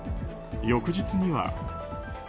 翌日には。